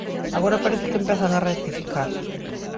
Agora parece que empezan a rectificar.